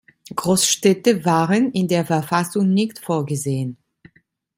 Großstädte waren in der Verfassung nicht vorgesehen.